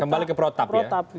kembali ke protab ya